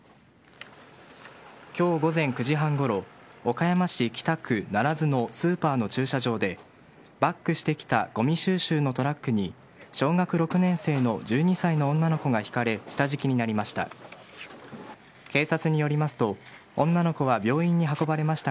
今日午前９時半ごろ岡山市北区楢津のスーパーの駐車場でバックしてきたごみ収集のトラックに小学６年生の１２歳の女の子がひかれ下敷きになりました。